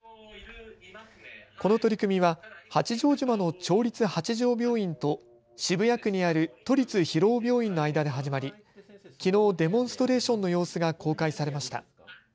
この取り組みは八丈島の町立八丈病院と渋谷区にある都立広尾病院の間で始まり、きのうデモンストレーションの様子が公開されました。